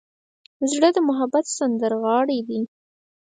زړه د محبت سندرغاړی دی.